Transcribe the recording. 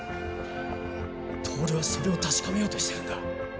透はそれを確かめようとしてるんだ。